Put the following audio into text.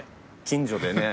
近所でね。